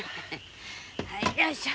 はいよいしょ。